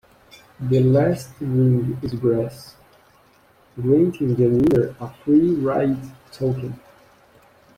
The last ring is brass, granting the "winner" a free ride token.